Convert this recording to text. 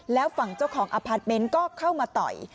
แล้วฝั่งเจ้าของอพาร์ทเมนต์ก็เข้ามาต่อย